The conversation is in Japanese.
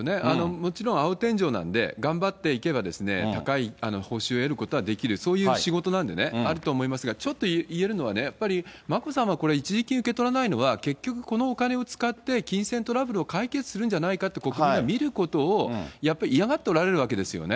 もちろん青天井なんで、頑張っていけば、高い報酬を得ることはできる、そういう仕事なんであると思いますが、ちょっと言えるのは、やっぱり眞子さま、これは一時金受け取らないのは、結局このお金を使って、金銭トラブルを解決するんじゃないかって国民が見ることをやっぱり嫌がっておられるわけですよね。